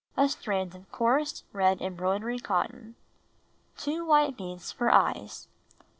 A strand of coarse red embroidery cotton. Two white beads for eyes.